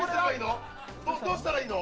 どうしたらいいの？